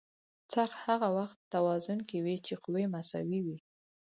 څرخ هغه وخت توازن کې وي چې قوې مساوي وي.